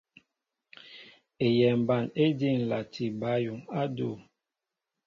Eyɛmba éjí ǹlati bǎyuŋ á adʉ̂.